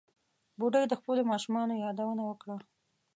بوډۍ د خپلو ماشومانو یادونه وکړه.